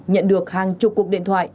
nhận được hàng chục cuộc điện thoại